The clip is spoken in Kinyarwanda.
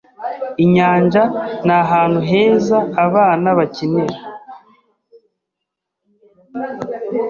Inyanja ni ahantu heza abana bakinira.